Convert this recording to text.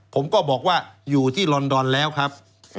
ผมก็บอกว่าอยู่ที่ลอนดอนแล้วครับ